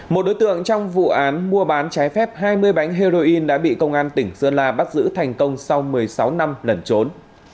một đối tượng trong vụ án mua bán trái phép hai mươi bánh heroin đã bị công an tỉnh sơn la bắt giữ thành công sau một mươi sáu năm lẩn trốn